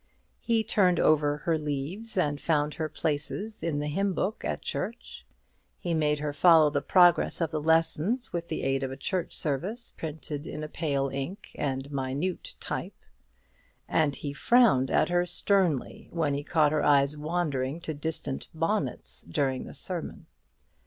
He turned over her leaves, and found her places in the hymn book at church; he made her follow the progress of the Lessons, with the aid of a church service printed in pale ink and a minute type; and he frowned at her sternly when he caught her eyes wandering to distant bonnets during the sermon.